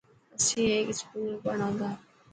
اسين هڪ اسڪول ۾ پڙهان ها.